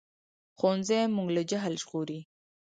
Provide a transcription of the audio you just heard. ښوونځی موږ له جهل ژغوري